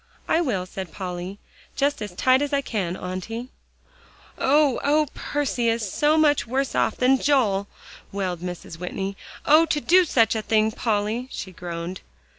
"I will," said Polly, "just as tight as I can, Auntie." "Oh oh! Percy is so much worse off than Joel," wailed Mrs. Whitney. "Oh! to do such a thing, Polly!" she groaned.